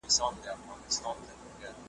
د بمونو راکټونو له هیبته `